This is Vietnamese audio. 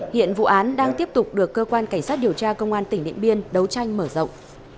hiện vụ án đang tiếp tục được cơ quan cảnh sát điều tra công an tỉnh điện biên đấu tranh mở rộng